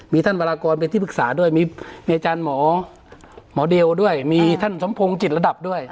มีท่านสมพงศ์จิตระดับด้วย